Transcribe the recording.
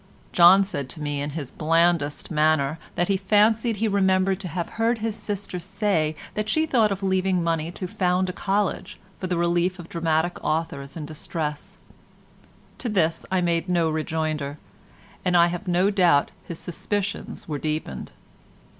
John said to me in his blandest manner that he fancied he remembered to have heard his sister say that she thought of leaving money to found a college for the relief of dramatic authors in distress; to this I made no rejoinder, and I have no doubt his suspicions were deepened.